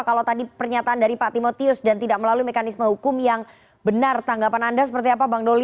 kalau tadi pernyataan dari pak timotius dan tidak melalui mekanisme hukum yang benar tanggapan anda seperti apa bang doli